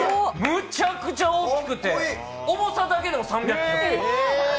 むちゃくちゃ大きくて重さだけでも３００ｋｇ。